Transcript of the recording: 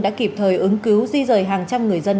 đã kịp thời ứng cứu di rời hàng trăm người dân